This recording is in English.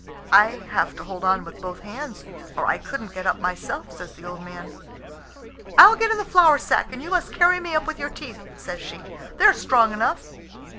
"I have to hold on with both hands, or I couldn't get up myself," says the old man. "I'll get in the flour sack, and you must carry me up with your teeth," says she; "they're strong enough."